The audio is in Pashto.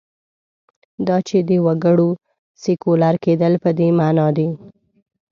دا چې د وګړو سیکولر کېدل په دې معنا دي.